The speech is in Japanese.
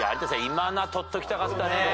今のは取っときたかったね。